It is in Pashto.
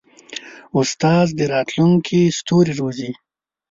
استاد د راتلونکي ستوري روزي.